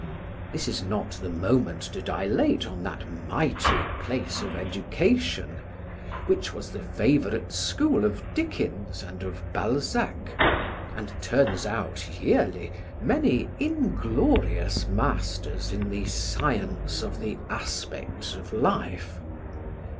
This is not the moment to dilate on that mighty place of education, which was the favourite school of Dickens and of Balzac, and turns out yearly many inglorious masters in the Science of the Aspects of Life.